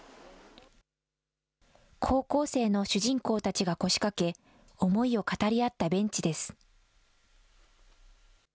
高校生の主人公たちが腰かけ、思いを語り合ったベンチです。